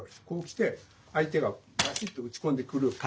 こうきて相手がバチッと打ち込んでくる。